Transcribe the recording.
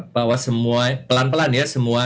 bahwa semua pelan pelan ya semua